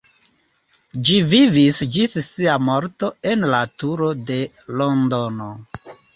Ĝi vivis ĝis sia morto en la turo de Londono.